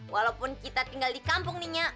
walaupun kita tinggal di kampung nih nyak